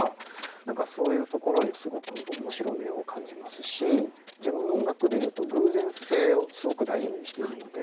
何かそういうところにすごく面白みを感じますし自分の音楽で言うと偶然性をすごく大事にしているので。